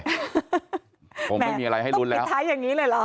แนนต้องกินไทยอย่างนี้เลยหรอ